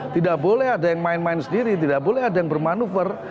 tidak boleh ada yang main main sendiri tidak boleh ada yang bermanuver